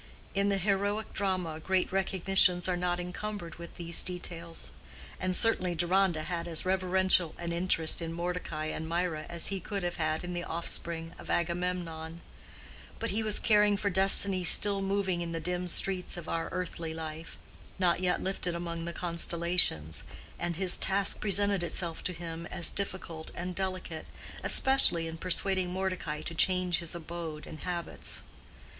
In the heroic drama, great recognitions are not encumbered with these details; and certainly Deronda had as reverential an interest in Mordecai and Mirah as he could have had in the offspring of Agamemnon; but he was caring for destinies still moving in the dim streets of our earthly life, not yet lifted among the constellations, and his task presented itself to him as difficult and delicate, especially in persuading Mordecai to change his abode and habits.